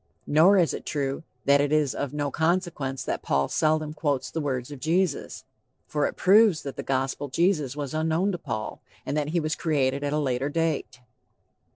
Nor is it true that it is of no consequence that "Paul seldom quotes the words of Jesus." For it proves that the Gospel Jesus was unknown to Paul, and that he was created at a later date.